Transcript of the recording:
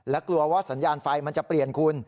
และกลัวว่าสัญญาณไฟมันจะเปลี่ยนคุณ